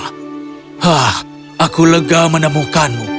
hah aku lega menemukanmu